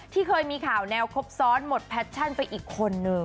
เคยมีข่าวแนวครบซ้อนหมดแพชชั่นไปอีกคนนึง